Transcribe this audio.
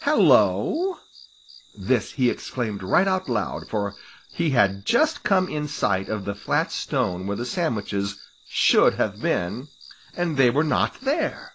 Hello!" This he exclaimed right out loud, for he had just come in sight of the flat stone where the sandwiches should have been, and they were not there.